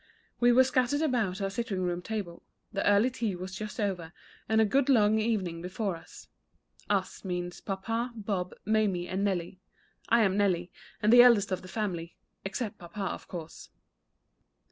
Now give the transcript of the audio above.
We were scattered about our sitting room table; the early tea was just over, and a good long evening before us. (Us means papa, Bob, Mamie, and Nelly. I am Nelly, and the eldest of the family except papa, of course.)